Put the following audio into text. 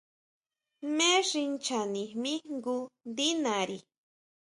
Jmé xi nchanijmí jngu ndí nari.